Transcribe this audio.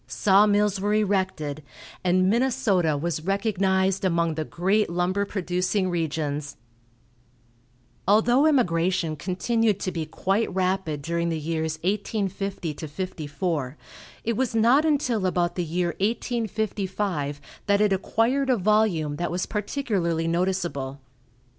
Saw mills were erected, and Minnesota was recognized among the great lumber producing regions. Although immigration continued to be quite rapid during the years 1850 54, it was not until about the year 1855 that it acquired a volume that was particularly noticeable.